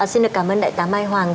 xin được cảm ơn đại tá mai hoàng